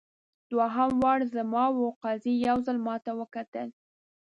دوهم وار زما وو قاضي یو ځل ماته وکتل.